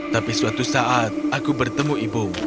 tapi suatu saat aku bertemu ibumu